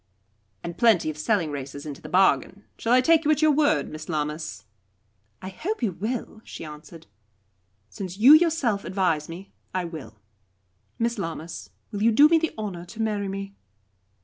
'" "And plenty of selling races into the bargain. Shall I take you at your word, Miss Lammas?" "I hope you will," she answered. "Since you yourself advise me, I will. Miss Lammas, will you do me the honour to marry me?"